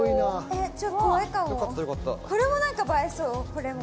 これも何か映えそうこれも。